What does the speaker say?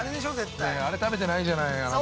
◆あれ食べてないじゃないあなた。